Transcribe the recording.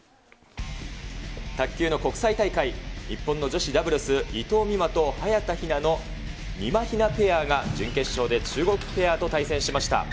卓球の国際大会、日本の女子ダブルス、伊藤美誠と早田ひなのみまひなペアが準決勝で中国ペアと対戦しました。